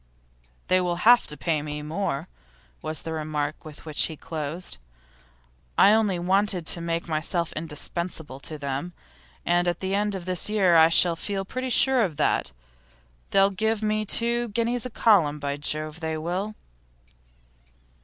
'They'll have to pay me more,' was the remark with which he closed. 'I only wanted to make myself indispensable to them, and at the end of this year I shall feel pretty sure of that. They'll have to give me two guineas a column; by Jove! they will.